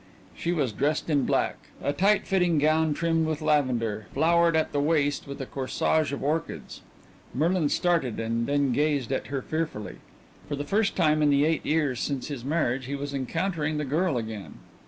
She was dressed in black, a tight fitting gown trimmed with lavender, flowered at the waist with a corsage of orchids. Merlin started and then gazed at her fearfully. For the first time in the eight years since his marriage he was encountering the girl again.